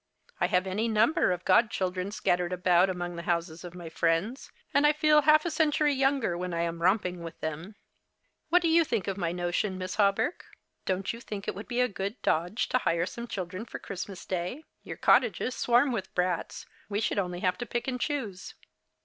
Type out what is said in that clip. I have any number of god children scattered about among the houses of my friends, and I feel lialf a century younger when I am romping witli them. What do you think of my notion, Miss Hawberk? Don't you think it would be a good dodge to hire some children for Christmas Day ? Your cottages swarm with brats. We should have only to pick and choose.